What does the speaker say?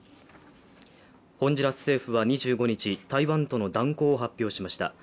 ホンジュラス政府は２５日台湾との断交を発表しました。